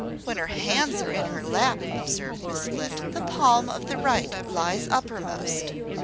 "When her hands are in her lap," observed Miss Flint, "the palm of the right lies uppermost.